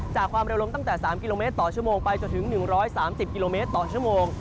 ความเร็วลมตั้งแต่๓กิโลเมตรต่อชั่วโมงไปจนถึง๑๓๐กิโลเมตรต่อชั่วโมง